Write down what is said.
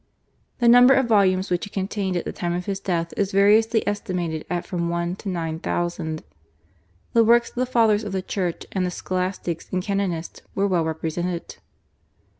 The number of volumes which it contained at the time of his death is variously estimated at from one to nine thousand. The works of the Fathers of the Church, and the Scholastics and Canonists were well represented.